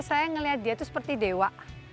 saya melihat dia itu seperti dewa